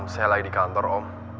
saya lagi di kantor om